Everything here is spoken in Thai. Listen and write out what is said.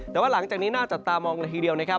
แต่ว่าหลังจากนี้น่าจับตามองละทีเดียวนะครับ